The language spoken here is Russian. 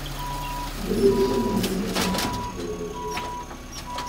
Да я и сам уже вижу, матушка, что он узок.